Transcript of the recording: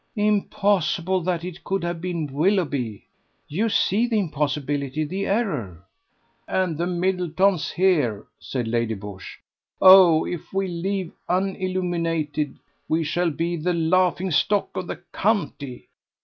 "Impossible that it could have been Willoughby!" "You see the impossibility, the error!" "And the Middletons here!" said Lady Busshe. "Oh! if we leave unilluminated we shall be the laughing stock of the county.